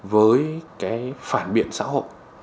với cái phản biện xã hội